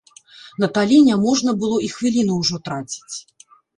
Наталі няможна было і хвіліны ўжо траціць.